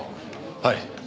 はい。